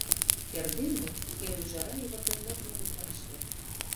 Эрдене, эр ӱжара йывыртен модмо гутлаште.